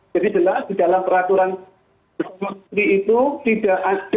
jadi jelas di dalam peraturan ke tujuh itu tidak ada